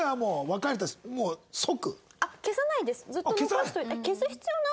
私も消さないです。